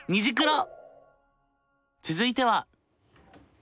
続いては。